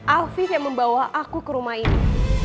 alfie yang membawa aku ke rumah ini